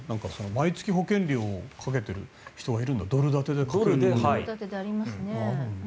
毎月、保険料をかけてる人がいるんだドル建てでありますね。